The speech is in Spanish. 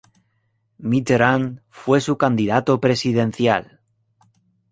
Mitterrand fue su candidato presidencial.